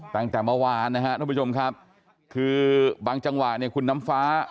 ตั้งแต่เมื่อวานนะครับทุกผู้ชมครับคือบางจังหวะเนี่ยคุณน้ำฟ้า